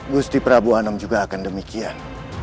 gusti prabu anum juga akan demikian